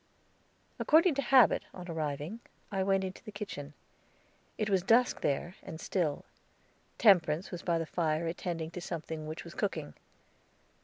According to habit, on arriving, I went into the kitchen. It was dusk there, and still. Temperance was by the fire, attending to something which was cooking.